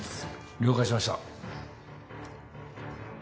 了解しました。